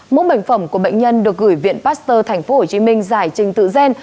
mẫu bệnh phẩm của bệnh nhân được gửi viện pasteur tp hcm giải trình tự gen